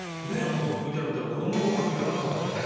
今ＶＴＲ見たら子供の頃からピアノなさってた。